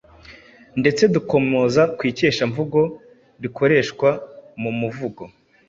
ndetse dukomoza ku ikeshamvugo rikoreshwa mu muvugo.